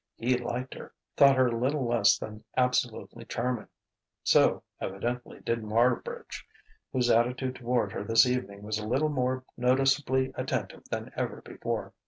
He liked her, thought her little less than absolutely charming. So, evidently, did Marbridge, whose attitude toward her this evening was a little more noticeably attentive than ever before.